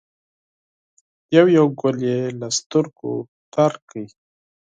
یو یو ګل یې له سترګو تېر کړ.